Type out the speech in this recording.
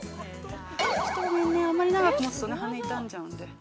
あまり長く持つと羽、傷んじゃうんで。